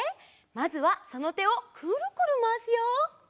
まずはそのてをくるくるまわすよ！